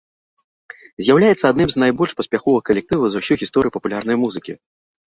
З'яўляецца адным з найбольш паспяховых калектываў за ўсю гісторыю папулярнай музыкі.